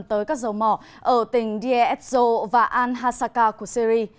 tới các dầu mỏ ở tỉnh diazo và al hasakah của syri